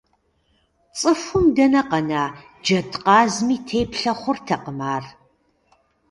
ЦӀыхум дэнэ къэна, джэдкъазми теплъэ хъуртэкъым ар!